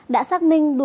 đã xác định